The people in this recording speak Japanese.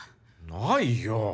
ないよ！